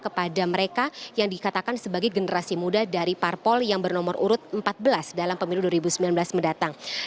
kepada mereka yang dikatakan sebagai generasi muda dari parpol yang bernomor urut empat belas dalam pemilu dua ribu sembilan belas mendatang